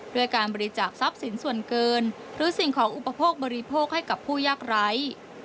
ด้วยการบริจาคทรัพย์สินส่วนเกินหรือสิ่งของอุปโภคบริโภคให้กับผู้ยากไร้